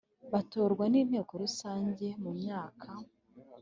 batorwa n Inteko Rusange mu myaka